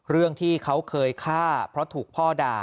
เรื่องที่เขาเคยฆ่าเพราะถูกพ่อด่า